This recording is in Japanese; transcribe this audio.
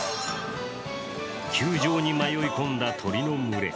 球場に迷い込んだ鳥の群れ。